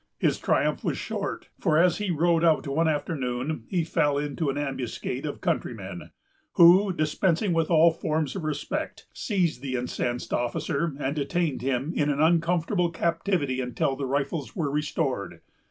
His triumph was short; for, as he rode out one afternoon, he fell into an ambuscade of countrymen, who, dispensing with all forms of respect, seized the incensed officer, and detained him in an uncomfortable captivity until the rifles were restored.